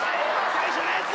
最初のやつ！